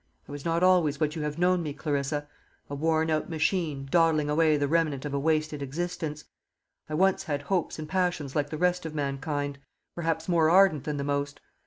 I was not always what you have known me, Clarissa, a worn out machine, dawdling away the remnant of a wasted existence. I once had hopes and passions like the rest of mankind perhaps more ardent than the most.